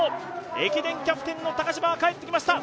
駅伝キャプテンの高島が帰ってきました。